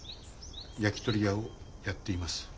焼きとり屋をやっています。